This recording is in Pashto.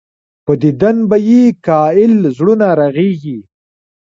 پۀ ديدن به ئې ګهائل زړونه رغيږي